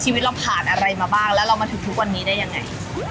ชีวิตเราผ่านอะไรมาบ้างแล้วเรามาถึงทุกวันนี้ได้ยังไง